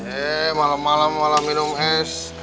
hei malam malam malah minum es